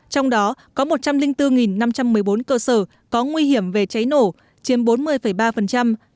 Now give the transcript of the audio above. trong đó có một trăm linh bốn năm trăm một mươi bốn cơ sở có nguy hiểm về cháy nổ chiếm bốn mươi ba